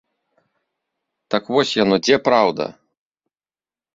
Так вось яно дзе праўда?